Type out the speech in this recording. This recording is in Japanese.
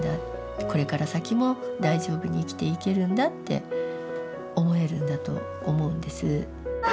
これから先も大丈夫に生きていけるんだ」って思えるんだと思うんです。